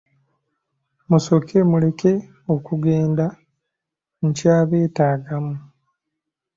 Musooke muleke okugenda nkyabeetaagamu.